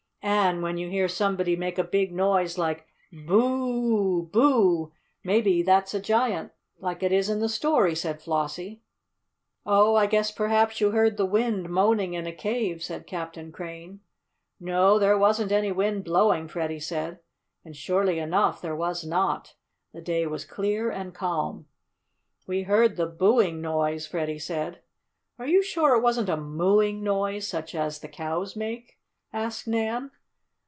"An' when you hear somebody making a big noise like 'Boo oo oo oo! Boo!' maybe that's a giant, like it is in the story," said Flossie. "Oh, I guess perhaps you heard the wind moaning in a cave," said Captain Crane. "No, there wasn't any wind blowing," Freddie said. And, surely enough, there was not. The day was clear and calm. "We heard the booing noise," Freddie said. "Are you sure it wasn't a mooing noise, such as the cows make?" asked Nan.